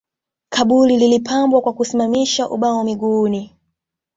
Kaburi lilipambwa kwa kusimamisha ubao mguuni